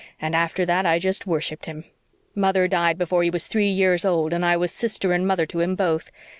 And after that I just worshipped him. Mother died before he was three years old and I was sister and mother to him both.